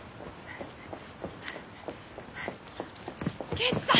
圭一さん！